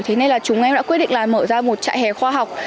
thế nên là chúng em đã quyết định là mở ra một trại hè khoa học